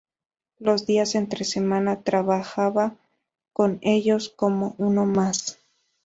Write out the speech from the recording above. Los días entre semana trabajaba con ellos como uno más.